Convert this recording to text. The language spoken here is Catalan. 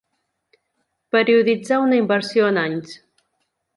Perioditzar una inversió en anys.